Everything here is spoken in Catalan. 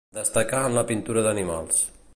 Destacà en la pintura d'animals.